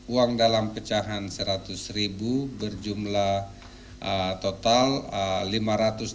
uang dalam pecahan seratus ribu berjumlah total lima ratus tiga belas juta rupiah